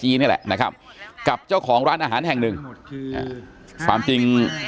นี่แหละนะครับกับเจ้าของร้านอาหารแห่งหนึ่งอ่าความจริง